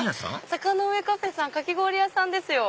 サカノウエカフェさんかき氷屋さんですよ。